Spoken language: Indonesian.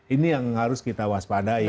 ini yang harus kita waspadai